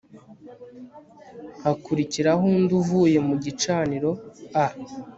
hakurikiraho undi uvuye mu gicaniro a